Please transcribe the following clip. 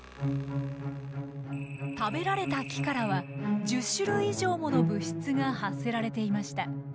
食べられた木からは１０種類以上もの物質が発せられていました。